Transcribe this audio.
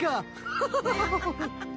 ハハハハハ！